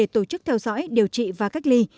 theo dõi điều trị và cách ly